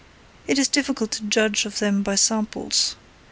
It is difficult to judge of them by samples.